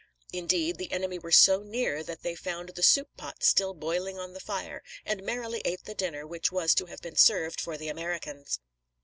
Indeed, the enemy were so near that they found the soup pots still boiling on the fire, and merrily ate the dinner which was to have been served for the Americans.